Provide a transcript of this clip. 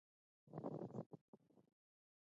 مصنوعي ځیرکتیا د ټولنیز نظم بڼه بدلوي.